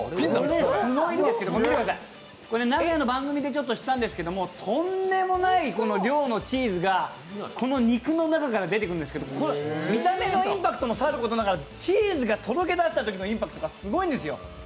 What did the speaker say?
見てください、名古屋の番組で知ったんですけどとんでもない量のチーズが肉の中から出てくるんですけどこれ見た目のインパクトもさることながらチーズがとろけだしたときのインパクトがすごいんですよ。